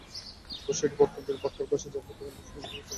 অবশ্য একটি পক্ষের ভাষ্য, জেল হত্যাকাণ্ডের ঘটনা মোশাররফ তখনো জানতেন না।